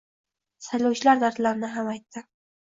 Saylovchilar dardlarini ham aytdi